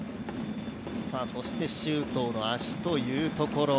そして周東の足というところ。